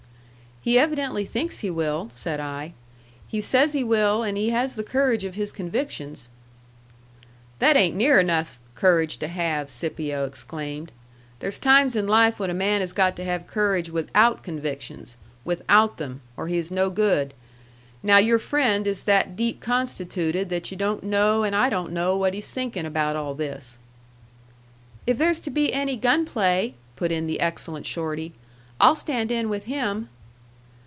"He evidently thinks he will," said I. "He says he will, and he has the courage of his convictions." "That ain't near enough courage to have!" Scipio exclaimed. "There's times in life when a man has got to have courage WITHOUT convictions WITHOUT them or he is no good. Now your friend is that deep constitooted that you don't know and I don't know what he's thinkin' about all this." "If there's to be any gun play," put in the excellent Shorty, "I'll stand in with him."